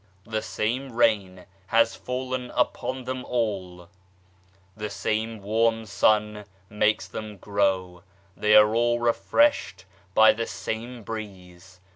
The same rain has fallen upon them all, the same warm sun makes them grow, they are all refreshed by the same breeze.